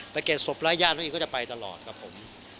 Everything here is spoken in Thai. ไปเก่งทรพพ์และญาติน้องอินก็จะไปกับผม